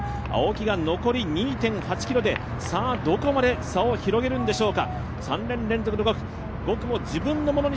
青木が残り２．８ｋｍでどこまで差を広げるんでしょうか。